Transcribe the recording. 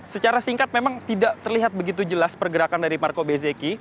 secara singkat memang tidak terlihat begitu jelas pergerakan dari marco bezeki